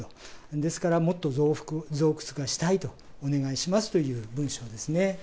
ですから、もっと増掘がしたいと、お願いしますという文章ですね。